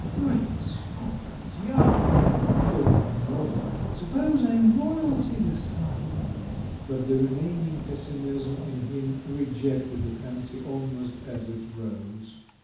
"Great Scotland Yard!" thought Van Norden, "suppose I'm Roy alty this time?" But the remaining pessimism in him rejected the fancy almost as it rose.